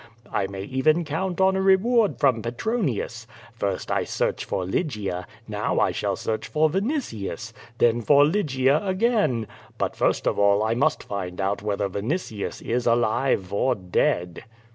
I may even count on a reward from Petronius. First I search for Lygia, now I shall search for Vinitius, then for Lj'gia again. But first of all I must find out whether Vinitius is alive or dead."